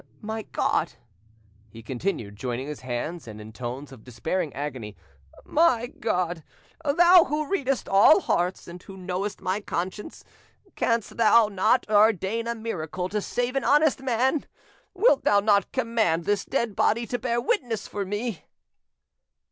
My God!" he continued, joining his hands and in tones of despairing agony,—"my God, Thou who readest all hearts, and who knowest my innocence, canst Thou not ordain a miracle to save an honest man? Wilt Thou not command this dead body to bear witness for me?"